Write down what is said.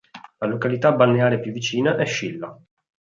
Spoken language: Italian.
La località balneare più vicina è Scilla.